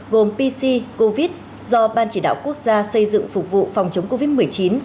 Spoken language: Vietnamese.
gồm pc covid do ban chỉ đạo quốc gia xây dựng phục vụ phòng chống covid một mươi chín